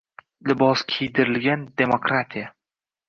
«Libos kiydirilgan» demokratiya